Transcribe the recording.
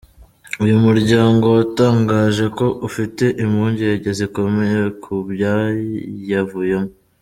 Uyu muryango watangaje ko ufite "impungenge zikomeye" ku byayavuyemo.